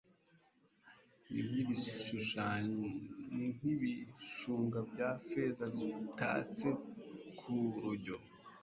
ni nk'ibishunga bya feza bitatse ku rujyo